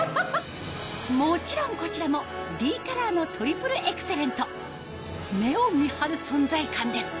もちろんこちらもＤカラーのトリプルエクセレント目を見張る存在感です